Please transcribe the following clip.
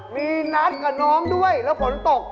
มีนัดกับน้องด้วยแล้วฝนตก